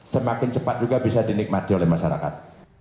semakin cepat juga bisa dinikmati oleh masyarakat